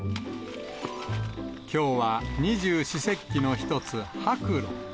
きょうは二十四節気の一つ、白露。